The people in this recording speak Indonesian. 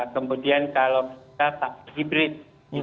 kemudian kalau kita pakai hybrid